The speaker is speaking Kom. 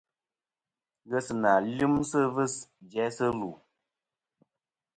Ghesɨnà lyɨmsɨ ɨvɨs jæsɨ lù.